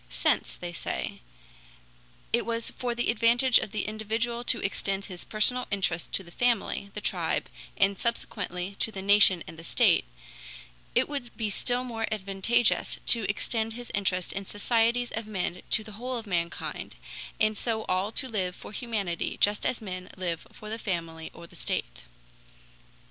"Since," they say, "it was for the advantage of the individual to extend his personal interest to the family, the tribe, and subsequently to the nation and the state, it would be still more advantageous to extend his interest in societies of men to the whole of mankind, and so all to live for humanity just as men live for the family or the state."